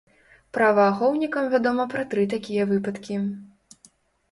Праваахоўнікам вядома пра тры такія выпадкі.